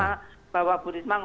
apakah terjadi maksudnya